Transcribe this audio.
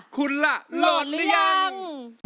คุณล่ะโหลดหรือยัง